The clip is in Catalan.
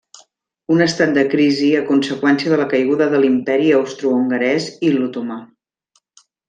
Un estat de crisi a conseqüència de la caiguda de l'Imperi Austrohongarès i l'Otomà.